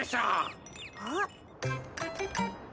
あっ！